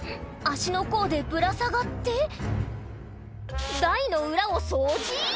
足の甲でぶら下がって台の裏を掃除⁉